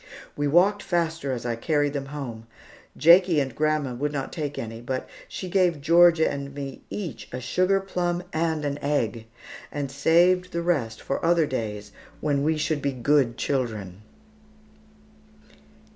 We walked faster as I carried them home. Jakie and grandma would not take any, but she gave Georgia and me each a sugar plum and an egg, and saved the rest for other days when we should be good children.